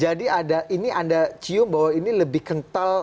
ada ini anda cium bahwa ini lebih kental